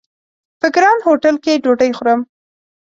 په ګران هوټل کې ډوډۍ خورم!